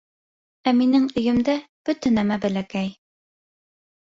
Ә минең өйөмдә бөтә нәмә бәләкәй.